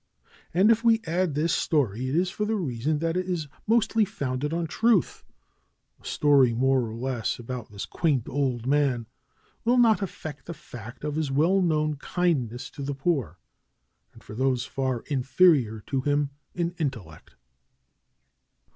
And if we add this story, it is for the reason that it is mostly founded on truth. A story more or less about this quaint old man will not affect the fact of his well known kindness to the poor, and for those far inferior to him in intellect.